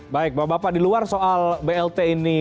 baik bapak bapak di luar soal blt ini